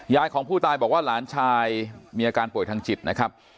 ของผู้ตายบอกว่าหลานชายมีอาการป่วยทางจิตนะครับ